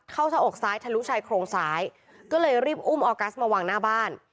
เข้าหน้าอกซ้ายทะลุชายโครงซ้ายก็เลยรีบอุ้มออกัสมาวางหน้าบ้าน